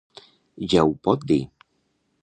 Ja ho pot dir!